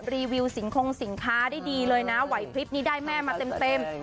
รีวิวสิงคงสินค้าได้ดีเลยนะไหวพลิบนี้ได้แม่มาเต็ม